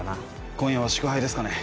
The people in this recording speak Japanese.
「今夜は祝杯ですかね」